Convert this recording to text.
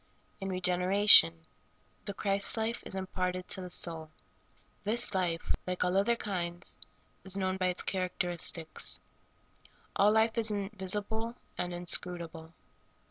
In regeneration, the Christ life is imparted to the soul. This life, like all other kinds, is known by its char acteristics. All life is invisible and inscrutable.